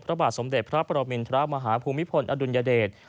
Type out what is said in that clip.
พระบาทสมเด็จพระปรมินทรมาฮภูมิพลอดุลยเดช